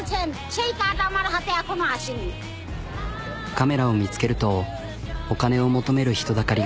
カメラを見つけるとお金を求める人だかりが。